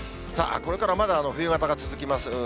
さあ、これからまだ冬型が続きます。